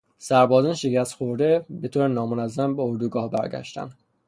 سربازان شکست خورده به طور نامنظم به اردوگاه برگشتند.